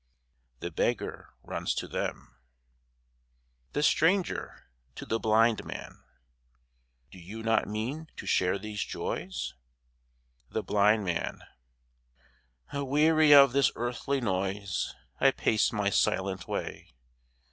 (The Beggar runs to them) THE STRANGER (to the Blind Man) Do you not mean to share these joys? THE BLIND MAN Aweary of this earthly noise I pace my silent way.